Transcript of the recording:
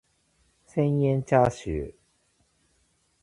千円チャーシュー